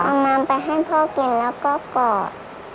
เอาน้ำไปให้พ่อกินแล้วก็กอด